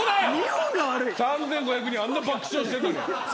３５００人があんなに爆笑していたのに。